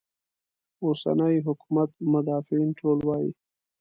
اوسني حکومت مدافعین ټول وایي.